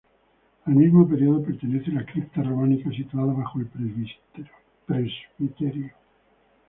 Al mismo período pertenece la cripta románica situada bajo el presbiterio.